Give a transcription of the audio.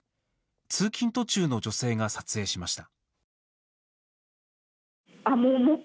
通勤途中の女性が撮影しました。